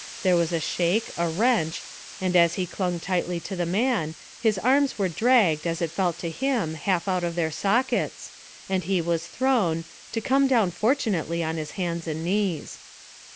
There was a shake, a wrench, and as he clung tightly to the man, his arms were dragged, as it felt to him, half out of their sockets, and he was thrown, to come down fortunately on his hands and knees.